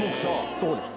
そうです。